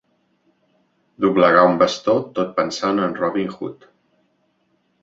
Doblegar un bastó tot pensant en Robin Hood.